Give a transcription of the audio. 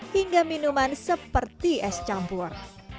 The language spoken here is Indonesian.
hingga minuman seperti es campur